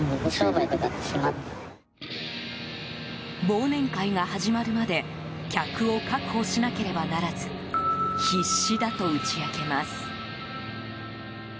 忘年会が始まるまで客を確保しなければならず必死だと打ち明けます。